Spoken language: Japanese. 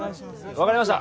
わかりました